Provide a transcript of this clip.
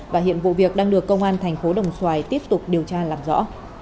và hiện vụ việc đang được công an thành phố đồng xoài tiếp tục điều tra làm rõ